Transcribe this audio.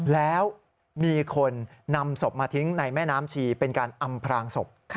แล้วมีคนนำศพมาทิ้งในแม่น้ำชีเป็นการอำพรางศพ